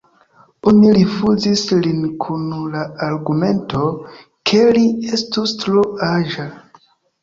Oni rifuzis lin kun la argumento, ke li estus tro aĝa.